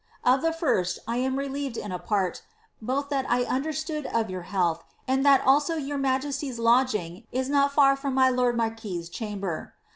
Of the first, I am re bered in a part, both that I understood of your health, and also that your majesty's lodging is not far from my lord marquis* chamber.